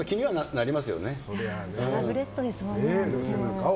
サラブレッドですもんね。